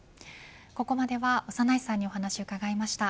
ここまでは長内さんにお話を伺いました。